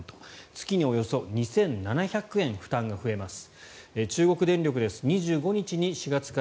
月におよそ２４００円負担が増えます。